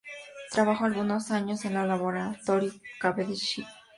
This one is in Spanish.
Trabajó algunos años en el laboratorio Cavendish con Maxwell y Rayleigh.